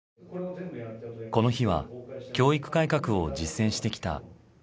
この日は教育改革を実践してきた工藤勇一さんと。